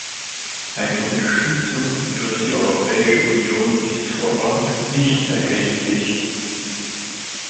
Eine Unterstützung durch die Europäische Union ist vor Ort nicht erkenntlich.